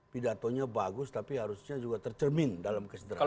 pidatonya bagus tapi harusnya juga tercermin dalam kesederhanaan